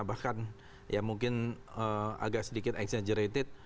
bahkan ya mungkin agak sedikit exagerated